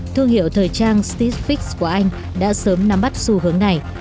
thương hiệu thời trang stitch fix của anh đã sớm nắm bắt xu hướng này